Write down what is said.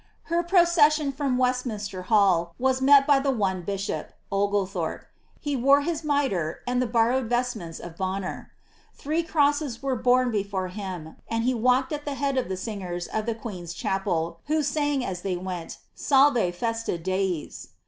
Her procession from Westminster Ilall was met by the one bishop, Oglethorpe. He wore his mitre and the borrowed vestments of Bonner. Three crosses were borne before him, and he walked at the bead of the singers of the queen's chapel, who sang as they went, Salve fesia dies.